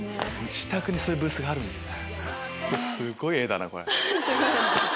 自宅にブースがあるんですね。